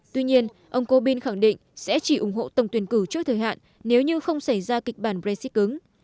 tuy nhiên ông corbyn khẳng định sẽ chỉ ủng hộ tổng tuyển cử trước thời hạn nếu như không xảy ra kịch bản brexit cứng